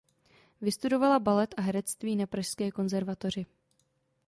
Vystudovala balet a herectví na Pražské konzervatoři.